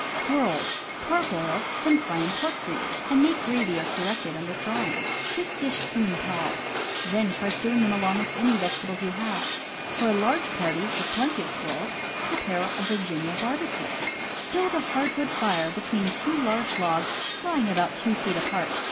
Squirrels. — Parboil, then fry in pork grease, and make gravy as directed under Frying. This dish soon palls. Then try stewing them along with any vege tables you may have. For a large party, with plenty of squirrels, prepare a Virginia Barbecue. — Build a hardwood fire between two large logs lying about two feet apart.